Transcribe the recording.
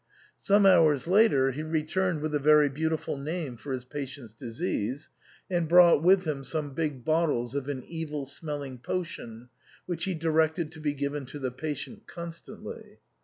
" Some hours later he returned with a very beautiful name for his patient's disease, and brought with him some big bottles of an evil smelling potion, which he directed to be given to the patient constantly.